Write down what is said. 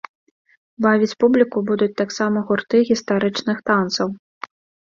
Бавіць публіку будуць таксама гурты гістарычных танцаў.